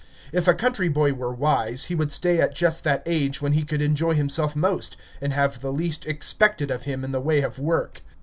If a country boy were wise, he would stay at just that age when he could enjoy himself most, and have the least expected of him in the way of work.